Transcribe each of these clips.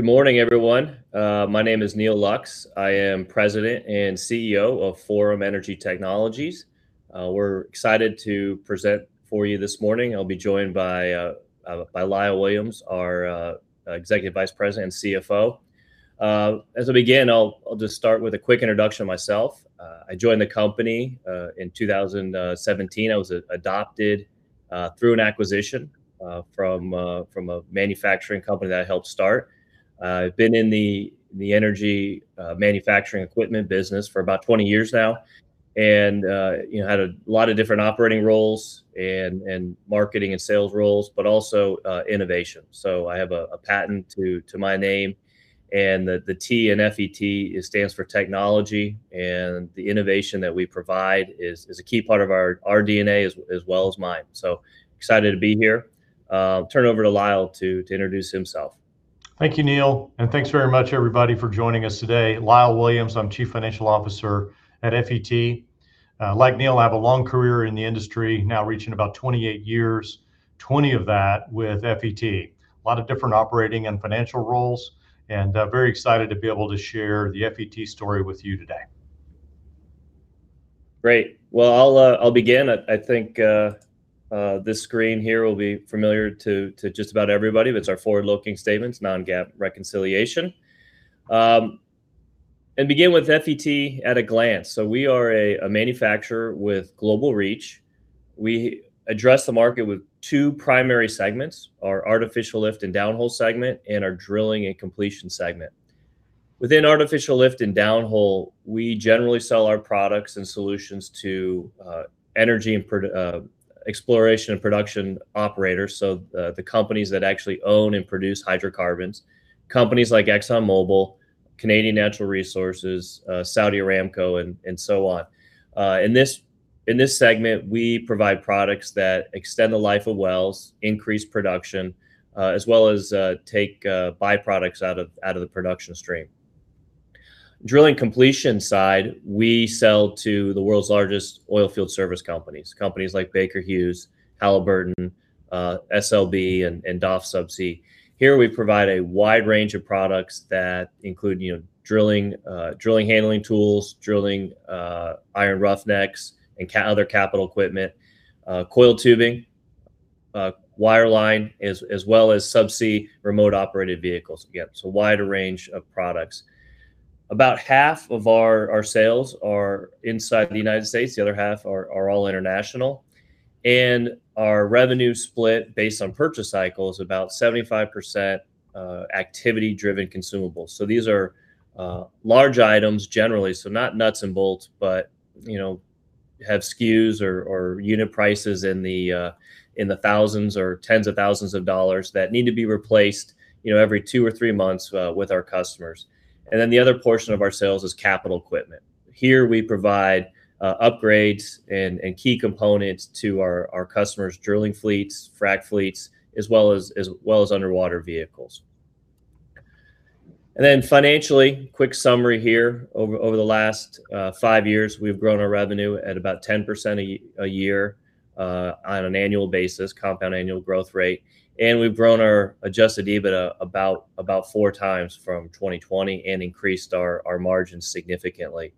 Good morning, everyone. My name is Neal Lux. I am President and CEO of Forum Energy Technologies. We're excited to present for you this morning. I'll be joined by Lyle Williams, our Executive Vice President and CFO. As I begin, I'll just start with a quick introduction of myself. I joined the company in 2017. I was adopted through an acquisition from a manufacturing company that I helped start. I've been in the energy manufacturing equipment business for about 20 years now, and you know, had a lot of different operating roles and marketing and sales roles, but also innovation. I have a patent to my name, and the T in FET, it stands for technology, and the innovation that we provide is a key part of our DNA as well as mine. Excited to be here. Turn it over to Lyle to introduce himself. Thank you, Neal, and thanks very much everybody for joining us today. Lyle Williams, I'm Chief Financial Officer at FET. Like Neal, I have a long career in the industry, now reaching about 28 years, 20 of that with FET. A lot of different operating and financial roles, and very excited to be able to share the FET story with you today. Great. Well, I'll begin. I think this screen here will be familiar to just about everybody, but it's our forward-looking statements, non-GAAP reconciliation. Begin with FET at a glance. We are a manufacturer with global reach. We address the market with two primary segments, our Artificial Lift and Downhole segment, and our Drilling and Completion segment. Within Artificial Lift and Downhole, we generally sell our products and solutions to exploration and production operators, the companies that actually own and produce hydrocarbons, companies like ExxonMobil, Canadian Natural Resources, Saudi Aramco, and so on. In this segment, we provide products that extend the life of wells, increase production, as well as take byproducts out of the production stream. Drilling and completion side, we sell to the world's largest oil field service companies like Baker Hughes, Halliburton, SLB, and DOF Subsea. Here we provide a wide range of products that include, you know, drilling handling tools, iron roughnecks, and other capital equipment, coiled tubing, wireline, as well as subsea remotely operated vehicles. Again, it's a wide range of products. About half of our sales are inside the United States, the other half are all international. Our revenue split based on purchase cycle is about 75% activity-driven consumables. These are large items generally, so not nuts and bolts, but you know have SKUs or unit prices in the $1,000 or $10,000 that need to be replaced you know every two or three months with our customers. The other portion of our sales is capital equipment. Here we provide upgrades and key components to our customers' drilling fleets, frac fleets, as well as underwater vehicles. Financially, quick summary here. Over the last five years, we've grown our revenue at about 10% a year on an annual basis, compound annual growth rate. We've grown our adjusted EBITDA about 4x from 2020 and increased our margins significantly.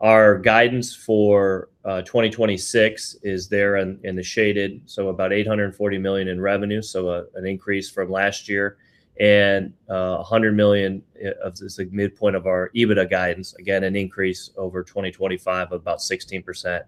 Our guidance for 2026 is there in the shaded, so about $840 million in revenue, so an increase from last year, and $100 million of this like midpoint of our EBITDA guidance. Again, an increase over 2025 of about 16%.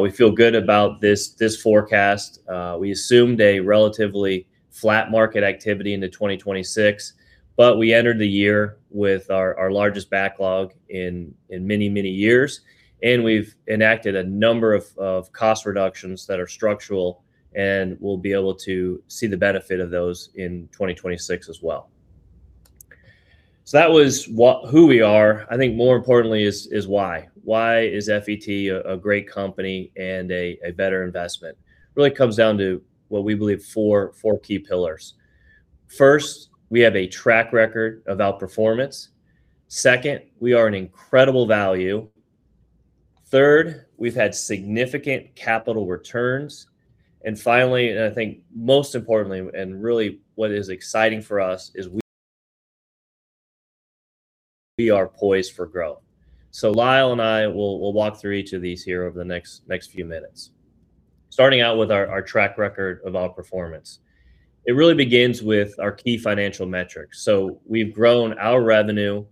We feel good about this forecast. We assumed a relatively flat market activity into 2026, but we entered the year with our largest backlog in many years, and we've enacted a number of cost reductions that are structural, and we'll be able to see the benefit of those in 2026 as well. That was who we are. I think more importantly is why. Why is FET a great company and a better investment? Really comes down to what we believe four key pillars. First, we have a track record of outperformance. Second, we are an incredible value. Third, we've had significant capital returns. And finally, and I think most importantly, and really what is exciting for us, is we are poised for growth. So Lyle and I will walk through each of these here over the next few minutes. Starting out with our track record of outperformance. It really begins with our key financial metrics. So we've grown our revenue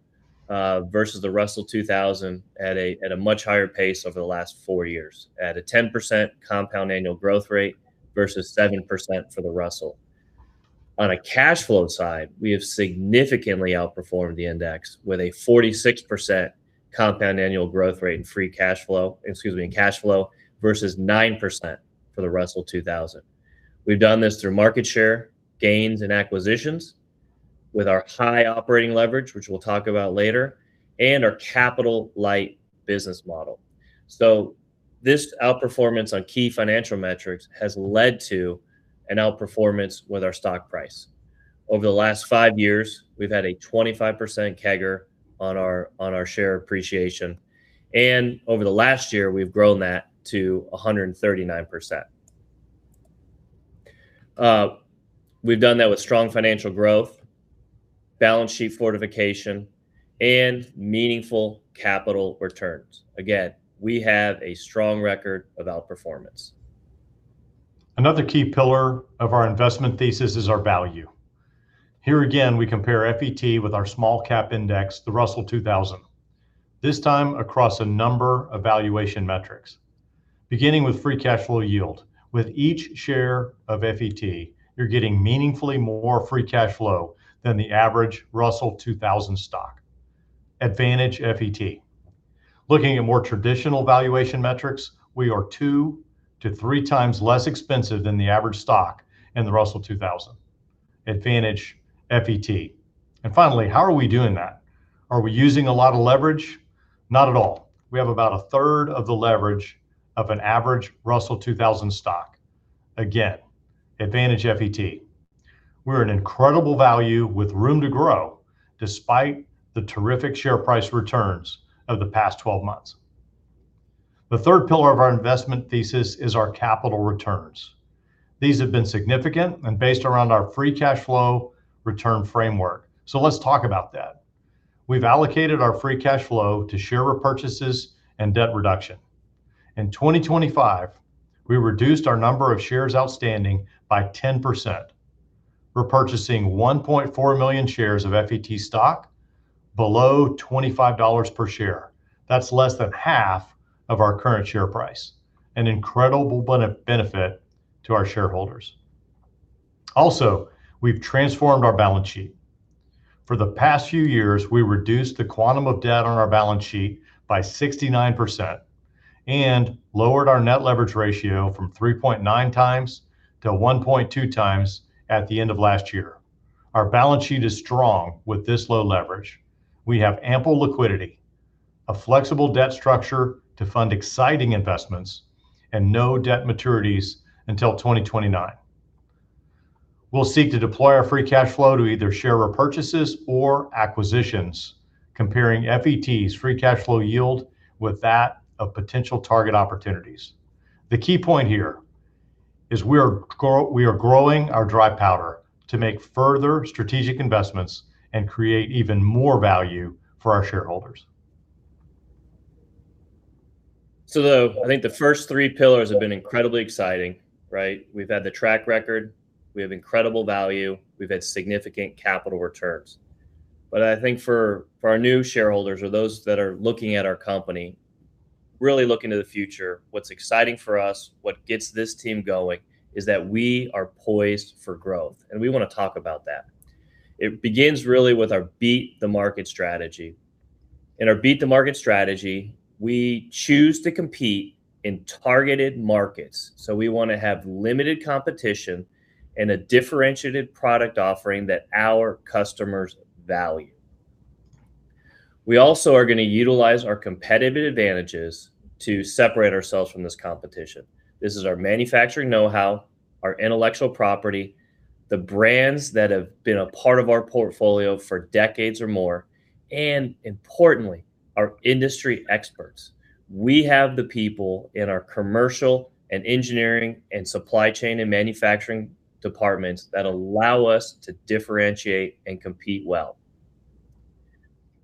versus the Russell 2000 at a much higher pace over the last four years, at a 10% compound annual growth rate versus 7% for the Russell. On a cash flow side, we have significantly outperformed the index with a 46% compound annual growth rate in free cash flow, excuse me, in cash flow, versus 9% for the Russell 2000. We've done this through market share gains and acquisitions with our high operating leverage, which we'll talk about later, and our capital-light business model. This outperformance on key financial metrics has led to an outperformance with our stock price. Over the last five years, we've had a 25% CAGR on our share appreciation, and over the last year, we've grown that to a 139%. We've done that with strong financial growth, balance sheet fortification, and meaningful capital returns. Again, we have a strong record of outperformance. Another key pillar of our investment thesis is our value. Here again, we compare FET with our small-cap index, the Russell 2000. This time across a number of valuation metrics. Beginning with free cash flow yield, with each share of FET, you're getting meaningfully more free cash flow than the average Russell 2000 stock. Advantage FET. Looking at more traditional valuation metrics, we are 2-3x less expensive than the average stock in the Russell 2000. Advantage FET. Finally, how are we doing that? Are we using a lot of leverage? Not at all. We have about a third of the leverage of an average Russell 2000 stock. Again, advantage FET. We're an incredible value with room to grow despite the terrific share price returns of the past 12 months. The third pillar of our investment thesis is our capital returns. These have been significant and based around our free cash flow return framework. Let's talk about that. We've allocated our free cash flow to share repurchases and debt reduction. In 2025, we reduced our number of shares outstanding by 10%. We're purchasing 1.4 million shares of FET stock below $25 per share. That's less than half of our current share price. An incredible benefit to our shareholders. Also, we've transformed our balance sheet. For the past few years, we reduced the quantum of debt on our balance sheet by 69% and lowered our net leverage ratio from 3.9x to 1.2x at the end of last year. Our balance sheet is strong with this low leverage. We have ample liquidity, a flexible debt structure to fund exciting investments, and no debt maturities until 2029. We'll seek to deploy our free cash flow to either share repurchases or acquisitions, comparing FET's free cash flow yield with that of potential target opportunities. The key point here is we are growing our dry powder to make further strategic investments and create even more value for our shareholders. I think the first three pillars have been incredibly exciting, right? We've had the track record. We have incredible value. We've had significant capital returns. I think for our new shareholders or those that are looking at our company, really looking to the future, what's exciting for us, what gets this team going is that we are poised for growth. We want to talk about that. It begins really with our beat the market strategy. In our beat the market strategy, we choose to compete in targeted markets. We want to have limited competition and a differentiated product offering that our customers value. We also are going to utilize our competitive advantages to separate ourselves from this competition. This is our manufacturing know-how, our intellectual property, the brands that have been a part of our portfolio for decades or more, and importantly, our industry experts. We have the people in our commercial and engineering and supply chain and manufacturing departments that allow us to differentiate and compete well.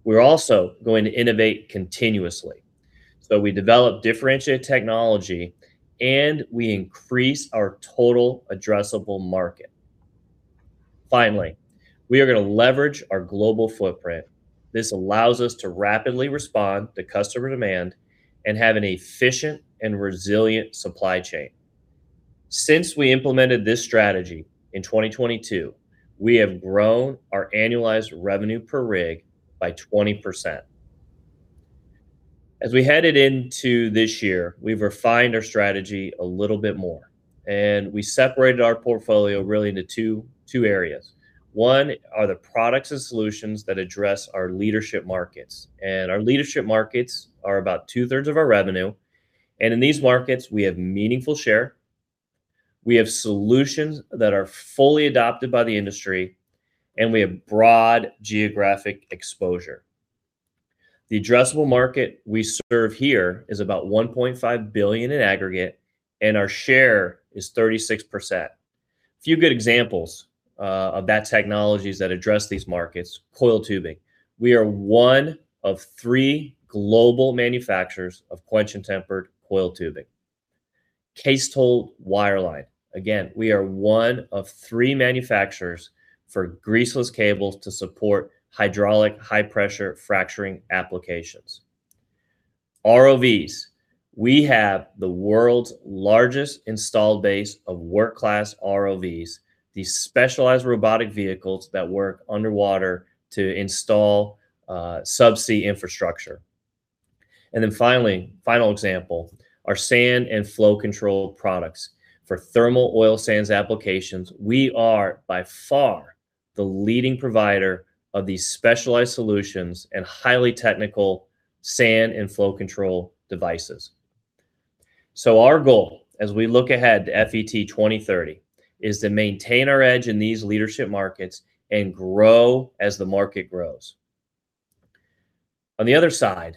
We're also going to innovate continuously. We develop differentiated technology and we increase our total addressable market. Finally, we are going to leverage our global footprint. This allows us to rapidly respond to customer demand and have an efficient and resilient supply chain. Since we implemented this strategy in 2022, we have grown our annualized revenue per rig by 20%. As we headed into this year, we've refined our strategy a little bit more and we separated our portfolio really into two areas. One are the products and solutions that address our leadership markets. Our leadership markets are about 2/3 of our revenue. In these markets, we have meaningful share. We have solutions that are fully adopted by the industry and we have broad geographic exposure. The addressable market we serve here is about $1.5 billion in aggregate and our share is 36%. A few good examples of those technologies that address these markets, coiled tubing. We are one of three global manufacturers of quenched and tempered coiled tubing. Cased hole wireline. Again, we are one of three manufacturers for greaseless cables to support hydraulic high pressure fracturing applications. ROVs. We have the world's largest installed base of work class ROVs, these specialized robotic vehicles that work underwater to install subsea infrastructure. Then finally, final example, our sand and flow control products for thermal oil sands applications. We are by far the leading provider of these specialized solutions and highly technical sand and flow control devices. Our goal as we look ahead to FET 2030 is to maintain our edge in these leadership markets and grow as the market grows. On the other side,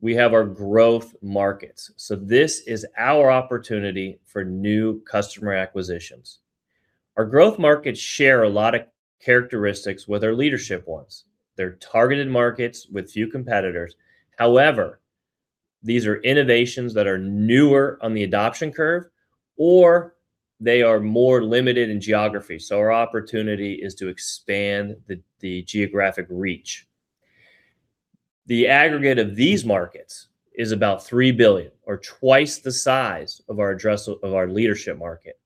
we have our growth markets. This is our opportunity for new customer acquisitions. Our growth markets share a lot of characteristics with our leadership ones. They're targeted markets with few competitors. However, these are innovations that are newer on the adoption curve, or they are more limited in geography. Our opportunity is to expand the geographic reach. The aggregate of these markets is about $3 billion, or twice the size of our leadership market,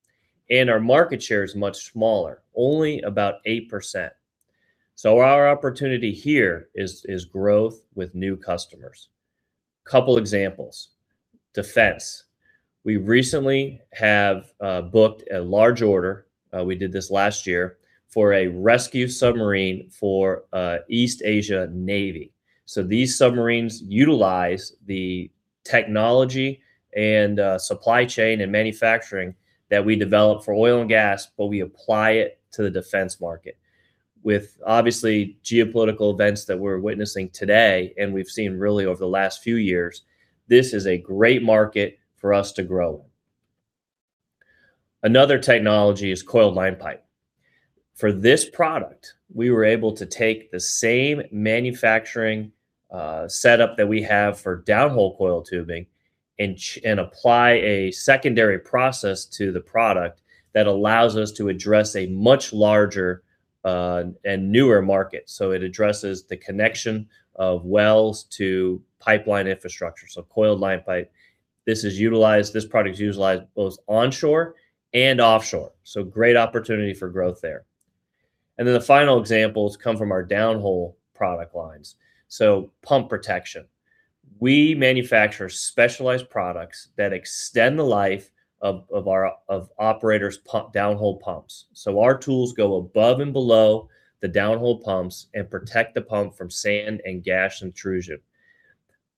and our market share is much smaller, only about 8%. Our opportunity here is growth with new customers. Couple examples. Defense. We recently have booked a large order, we did this last year, for a rescue submarine for East Asia Navy. These submarines utilize the technology and supply chain and manufacturing that we develop for oil and gas, but we apply it to the defense market. With obviously geopolitical events that we're witnessing today and we've seen really over the last few years, this is a great market for us to grow. Another technology is coiled line pipe. For this product, we were able to take the same manufacturing setup that we have for downhole coiled tubing and apply a secondary process to the product that allows us to address a much larger and newer market. It addresses the connection of wells to pipeline infrastructure. Coiled line pipe, this is utilized, this product is utilized both onshore and offshore, great opportunity for growth there. Then the final examples come from our downhole product lines. Pump protection. We manufacture specialized products that extend the life of operators' downhole pumps. Our tools go above and below the downhole pumps and protect the pump from sand and gas intrusion.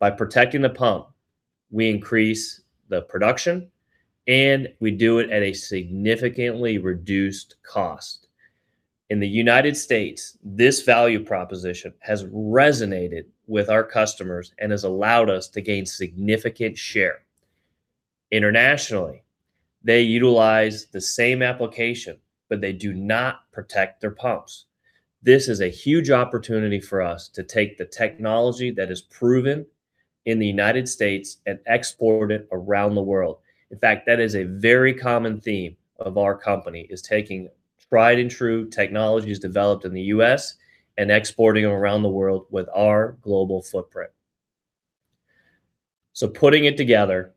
By protecting the pump, we increase the production, and we do it at a significantly reduced cost. In the United States, this value proposition has resonated with our customers and has allowed us to gain significant share. Internationally, they utilize the same application, but they do not protect their pumps. This is a huge opportunity for us to take the technology that is proven in the United States and export it around the world. In fact, that is a very common theme of our company, is taking tried and true technologies developed in the U.S. and exporting them around the world with our global footprint. Putting it together,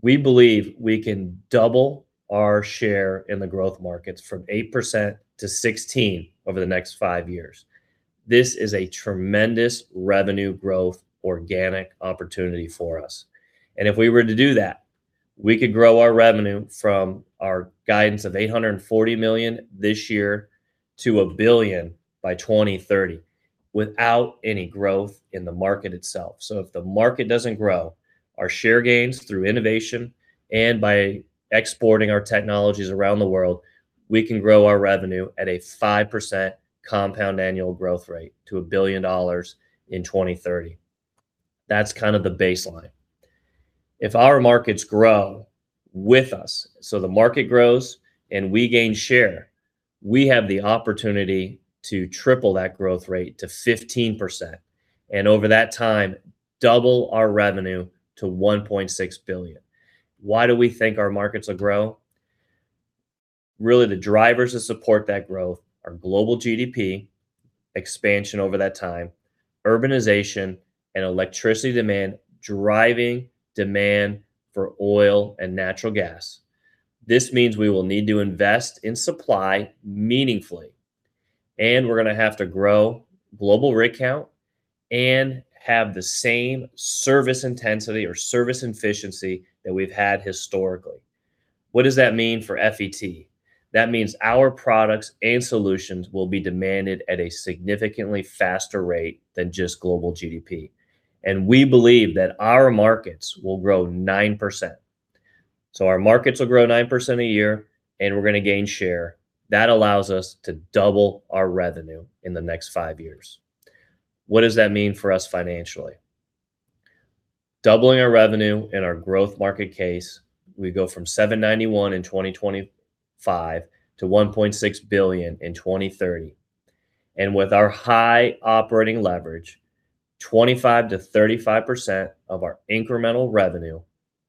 we believe we can double our share in the growth markets from 8% to 16% over the next five years. This is a tremendous revenue growth organic opportunity for us. If we were to do that, we could grow our revenue from our guidance of $840 million this year to $1 billion by 2030 without any growth in the market itself. If the market doesn't grow, our share gains through innovation and by exporting our technologies around the world, we can grow our revenue at a 5% compound annual growth rate to $1 billion in 2030. That's kind of the baseline. If our markets grow with us, so the market grows and we gain share, we have the opportunity to triple that growth rate to 15%, and over that time, double our revenue to $1.6 billion. Why do we think our markets will grow? Really, the drivers that support that growth are global GDP expansion over that time, urbanization, and electricity demand driving demand for oil and natural gas. This means we will need to invest in supply meaningfully, and we're gonna have to grow global rig count and have the same service intensity or service efficiency that we've had historically. What does that mean for FET? That means our products and solutions will be demanded at a significantly faster rate than just global GDP. We believe that our markets will grow 9%. Our markets will grow 9% a year, and we're gonna gain share. That allows us to double our revenue in the next five years. What does that mean for us financially? Doubling our revenue in our growth market case, we go from $791 million in 2025 to $1.6 billion in 2030. With our high operating leverage, 25%-35% of our incremental revenue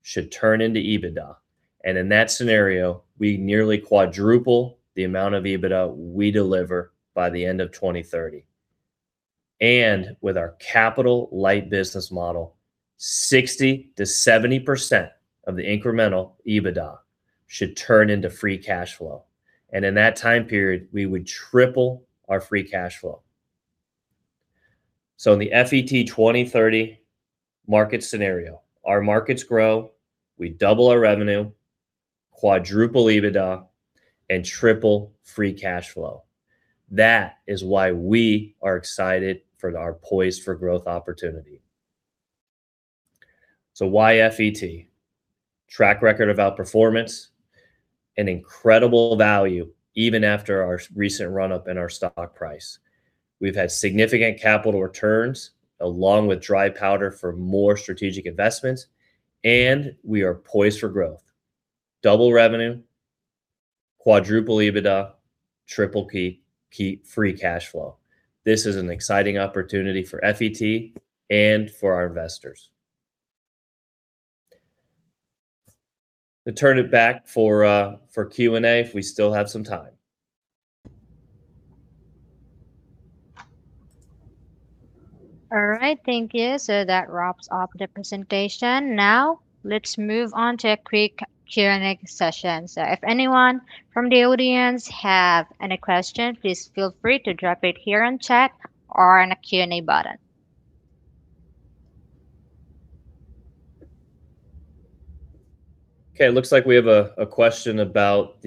should turn into EBITDA. In that scenario, we nearly quadruple the amount of EBITDA we deliver by the end of 2030. With our capital-light business model, 60%-70% of the incremental EBITDA should turn into free cash flow. In that time period, we would triple our free cash flow. In the FET 2030 market scenario, our markets grow, we double our revenue, quadruple EBITDA, and triple free cash flow. That is why we are excited for our poised for growth opportunity. Why FET? Track record of outperformance and incredible value even after our recent run-up in our stock price. We've had significant capital returns along with dry powder for more strategic investments, and we are poised for growth. Double revenue, quadruple EBITDA, triple key free cash flow. This is an exciting opportunity for FET and for our investors. To turn it back for Q&A, if we still have some time. All right. Thank you. That wraps up the presentation. Now let's move on to a quick Q&A session. If anyone from the audience have any question, please feel free to drop it here on chat or on the Q&A button. Okay, it looks like we have a question about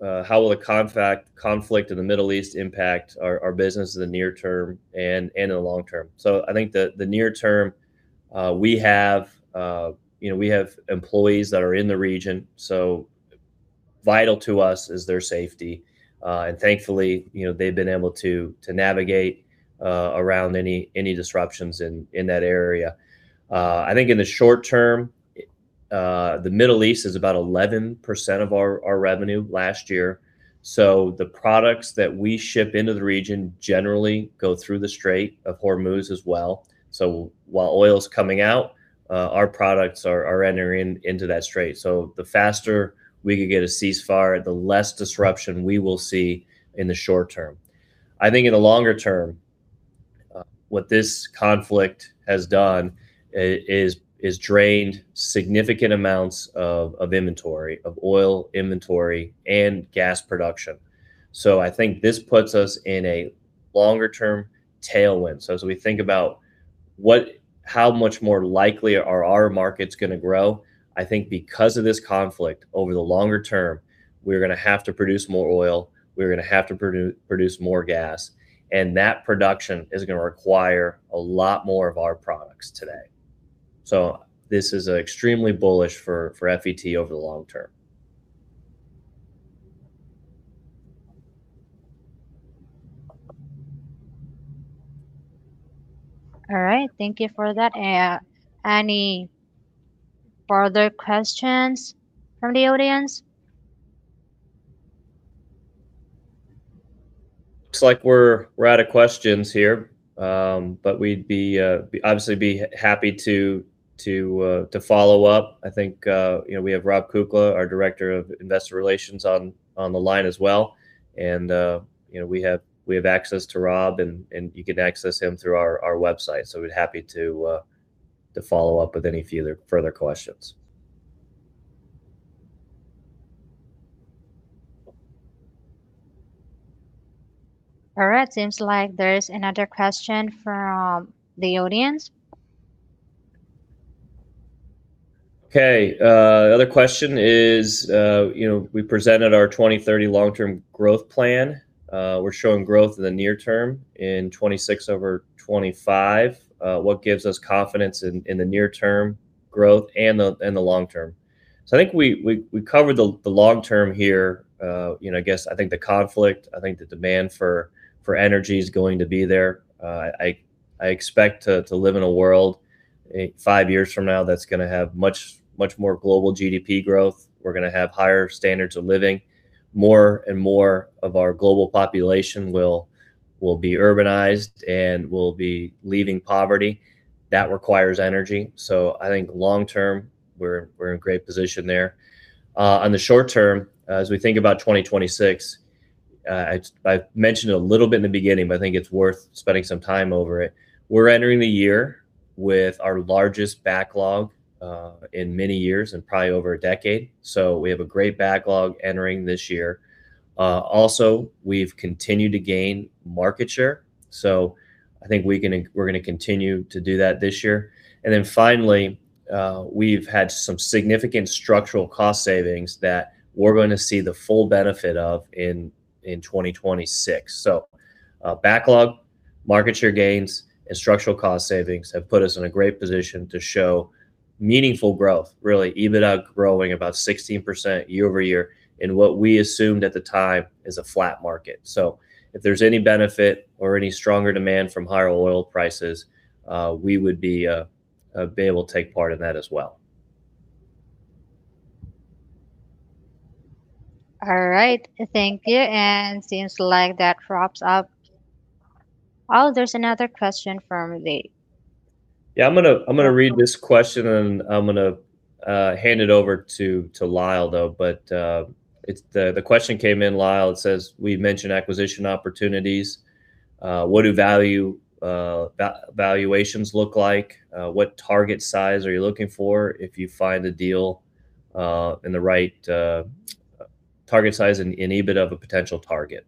how will the conflict in the Middle East impact our business in the near term and in the long term. I think the near term, we have, you know, we have employees that are in the region, so vital to us is their safety. Thankfully, you know, they've been able to navigate around any disruptions in that area. I think in the short term, the Middle East is about 11% of our revenue last year. The products that we ship into the region generally go through the Strait of Hormuz as well. While oil's coming out, our products are entering into that strait. The faster we can get a ceasefire, the less disruption we will see in the short term. I think in the longer term, what this conflict has done is drained significant amounts of inventory, of oil inventory and gas production. I think this puts us in a longer term tailwind. As we think about how much more likely are our markets gonna grow, I think because of this conflict over the longer term, we're gonna have to produce more oil, we're gonna have to produce more gas, and that production is gonna require a lot more of our products today. This is extremely bullish for FET over the long term. All right. Thank you for that. Any further questions from the audience? Looks like we're out of questions here. We'd be obviously happy to follow up. I think, you know, we have Rob Kukla, our Director of Investor Relations, on the line as well. You know, we have access to Rob, and you can access him through our website. We'd be happy to follow up with any further questions. All right. Seems like there's another question from the audience. Okay. Other question is, you know, we presented our 2030 long-term growth plan. We're showing growth in the near term in 2026 over 2025. What gives us confidence in the near term growth and the long term? I think we covered the long term here. You know, I guess I think the confidence, I think the demand for energy is going to be there. I expect to live in a world in five years from now that's gonna have much more global GDP growth. We're gonna have higher standards of living. More and more of our global population will be urbanized and will be leaving poverty. That requires energy. I think long term, we're in great position there. In the short term, as we think about 2026, I've mentioned a little bit in the beginning, but I think it's worth spending some time over it. We're entering the year with our largest backlog in many years and probably over a decade. We have a great backlog entering this year. Also we've continued to gain market share, so I think we're gonna continue to do that this year. Then finally, we've had some significant structural cost savings that we're gonna see the full benefit of in 2026. Backlog, market share gains, and structural cost savings have put us in a great position to show meaningful growth, really. EBITDA growing about 16% year-over-year in what we assumed at the time is a flat market. If there's any benefit or any stronger demand from higher oil prices, we would be able to take part in that as well. All right. Thank you. Seems like that wraps up. Oh, there's another question from the- Yeah, I'm gonna read this question, and I'm gonna hand it over to Lyle though, but it's the question came in, Lyle. It says, "We've mentioned acquisition opportunities. What do valuations look like? What target size are you looking for if you find the deal in the right target size in EBITDA of a potential target?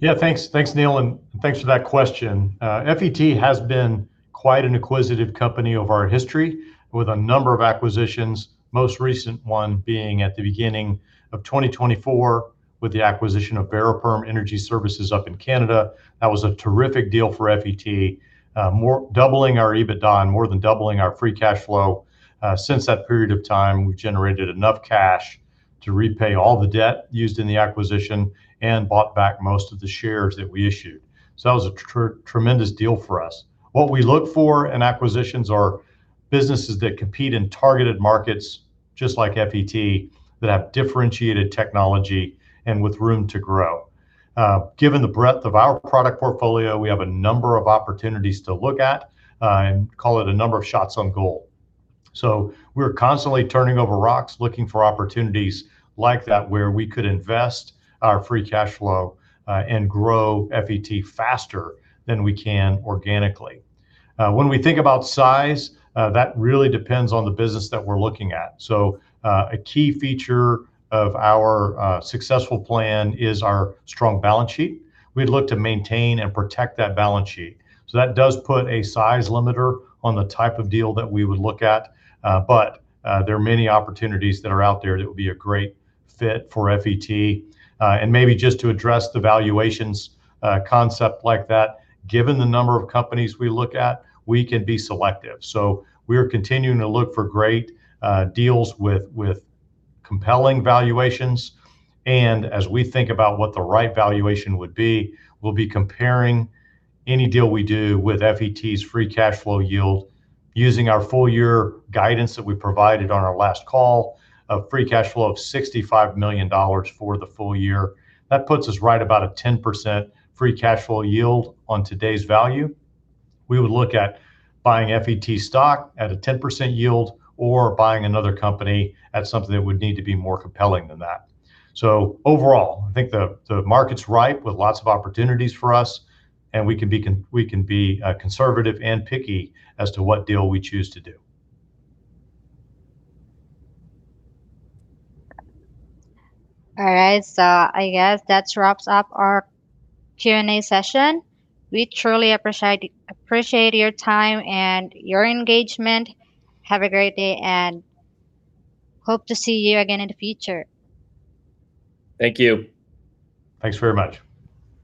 Yeah, thanks. Thanks, Neal, and thanks for that question. FET has been quite an acquisitive company over our history with a number of acquisitions, most recent one being at the beginning of 2024. With the acquisition of Variperm Energy Services up in Canada, that was a terrific deal for FET, doubling our EBITDA and more than doubling our free cash flow. Since that period of time, we have generated enough cash to repay all the debt used in the acquisition and bought back most of the shares that we issued. That was a tremendous deal for us. What we look for in acquisitions are businesses that compete in targeted markets, just like FET, that have differentiated technology and with room to grow. Given the breadth of our product portfolio, we have a number of opportunities to look at and call it a number of shots on goal. We're constantly turning over rocks, looking for opportunities like that where we could invest our free cash flow, and grow FET faster than we can organically. When we think about size, that really depends on the business that we're looking at. A key feature of our successful plan is our strong balance sheet. We'd look to maintain and protect that balance sheet. That does put a size limiter on the type of deal that we would look at, but there are many opportunities that are out there that would be a great fit for FET. Maybe just to address the valuations concept like that, given the number of companies we look at, we can be selective. We are continuing to look for great deals with compelling valuations. As we think about what the right valuation would be, we'll be comparing any deal we do with FET's free cash flow yield using our full year guidance that we provided on our last call of free cash flow of $65 million for the full year. That puts us right about a 10% free cash flow yield on today's value. We would look at buying FET stock at a 10% yield or buying another company at something that would need to be more compelling than that. Overall, I think the market's ripe with lots of opportunities for us, and we can be conservative and picky as to what deal we choose to do. All right. I guess that wraps up our Q&A session. We truly appreciate your time and your engagement. Have a great day and hope to see you again in the future. Thank you. Thanks very much.